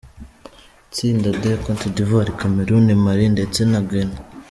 Itsinda D: cote d’Ivoire, Cameroun, Mali ndetse na Guine.